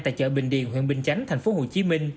tại chợ bình điều huyện bình chánh tp hcm